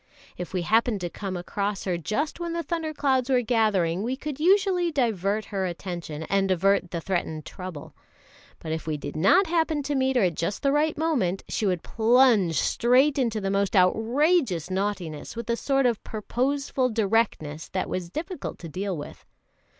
If we happened to come across her just when the thunder clouds were gathering, we could usually divert her attention and avert the threatened trouble; but if we did not happen to meet her just at the right moment, she would plunge straight into the most outrageous naughtiness with a sort of purposeful directness that was difficult to deal with.